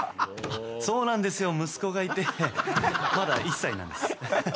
そうなんですよ、息子がいて、まだ１歳なんです。